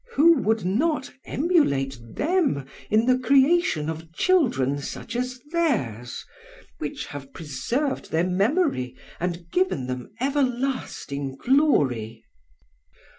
Who would not emulate them in the creation of children such as theirs, which have preserved their memory and given them everlasting glory?